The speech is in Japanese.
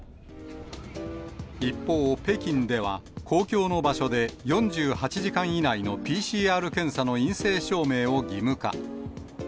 一方、北京では、公共の場所で４８時間以内のＰＣＲ検査の陰性証明を義務化。